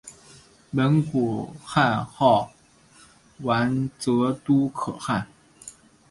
蒙古汗号完泽笃可汗。